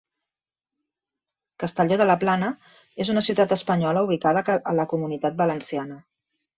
Castelló de la Plana és una ciutat espanyola ubicada a la Comunitat Valenciana.